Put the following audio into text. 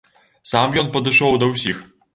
Сам ён падышоў да ўсіх.